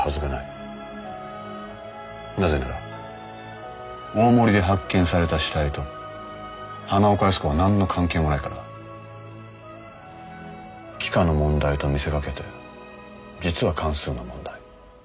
なぜなら大森で発見された死体と花岡靖子は何の関係もないからだ幾何の問題と見せかけて実は関数の問題